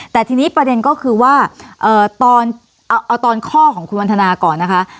แต่ทีนี้ประเด็นก็คือว่าเอาตอนข้อของคุณวันทนาก่อนนะคะ